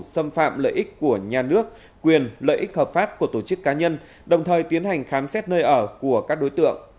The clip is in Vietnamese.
xâm phạm lợi ích của nhà nước quyền lợi ích hợp pháp của tổ chức cá nhân đồng thời tiến hành khám xét nơi ở của các đối tượng